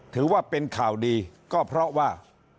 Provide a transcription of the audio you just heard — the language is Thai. ถือว่าเป็นข่าวดีก็เพราะว่า